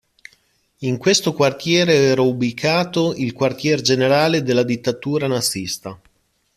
In questo quartiere era ubicato il quartier generale della dittatura nazista.